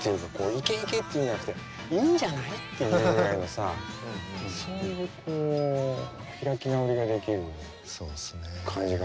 イケイケっていうんじゃなくていいんじゃない？っていうぐらいのさそういう開き直りができる感じがあるのよね。